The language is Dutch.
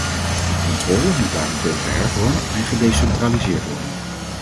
De controle moet daarentegen hervormd en gedecentraliseerd worden.